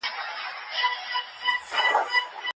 څېړنیزې ډلې دا اختلالات څېړلي دي.